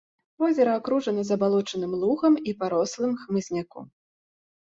Возера акружана забалочаным лугам і парослым хмызняком.